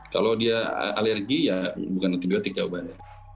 kalau dia alergi ya bukan antibiotik ya obatnya